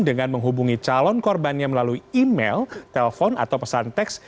dengan menghubungi calon korbannya melalui email telpon atau pesan teks